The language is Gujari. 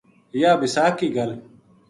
یاہ بَساکھ کی گل